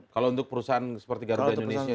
kalau untuk perusahaan seperti garuda indonesia